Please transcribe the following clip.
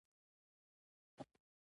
افغانستان د پسه لپاره مشهور دی.